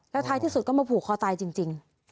แล้วท้ายที่สุดก็มาผูกคอตายจริง